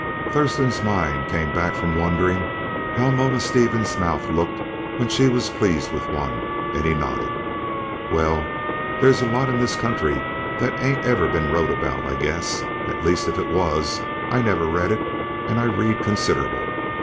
Thurston's mind came back from wondering how Mona Stevens' mouth looked when she was pleased with one, and he nodded. "Well, there's a lot in this country that ain't ever been wrote about, I guess; at least if it was I never read it, and I read considerable.